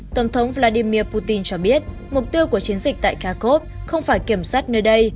tổng thống vladimir putin cho biết mục tiêu của chiến dịch tại cakov không phải kiểm soát nơi đây